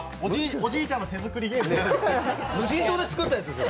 おじいちゃんの手作りゲームじゃないですよね？